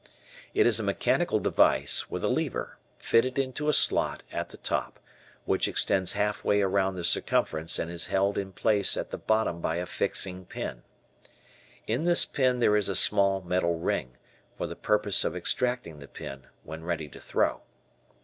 It is a mechanical device, with a lever, fitted into a slot at the top, which extends half way around the circumference and is held in place at the bottom by a fixing pin. In this pin there is a small metal ring, for the purpose of extracting the pin when ready to throw.